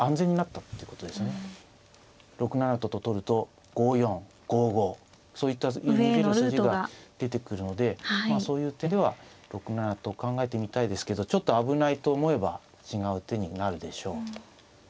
６七とと取ると５四５五そういった上に逃げる筋が出てくるのでそういう点では６七と考えてみたいですけどちょっと危ないと思えば違う手になるでしょう。